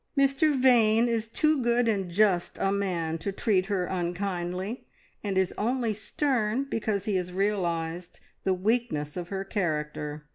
Mr Vane is too good and just a man to treat her unkindly, and is only stern because he has realised the weakness of her character.